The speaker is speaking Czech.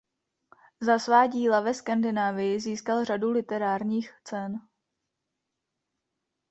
Za svá díla ve Skandinávii získal řadu literárních cen.